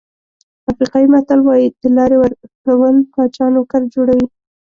افریقایي متل وایي د لارې ورکول پاچا نوکر جوړوي.